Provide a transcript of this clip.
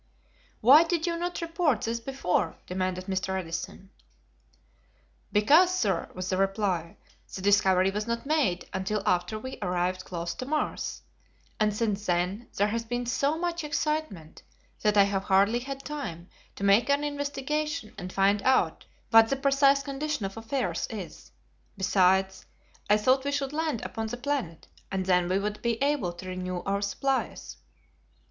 "Why did you not report this before?" demanded Mr. Edison. "Because, sir," was the reply, "the discovery was not made until after we arrived close to Mars, and since then there has been so much excitement that I have hardly had time to make an investigation and find out what the precise condition of affairs is; besides, I thought we should land upon the planet and then we would be able to renew our supplies."